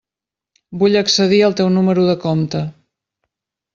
Vull accedir al teu número de compte.